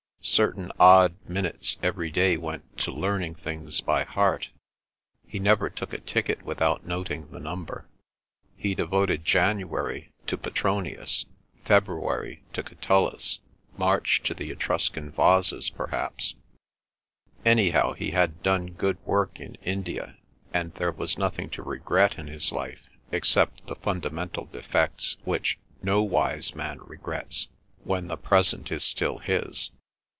Certain odd minutes every day went to learning things by heart; he never took a ticket without noting the number; he devoted January to Petronius, February to Catullus, March to the Etruscan vases perhaps; anyhow he had done good work in India, and there was nothing to regret in his life except the fundamental defects which no wise man regrets, when the present is still his.